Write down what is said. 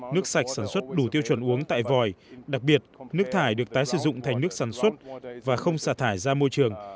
nước sạch sản xuất đủ tiêu chuẩn uống tại vòi đặc biệt nước thải được tái sử dụng thành nước sản xuất và không xả thải ra môi trường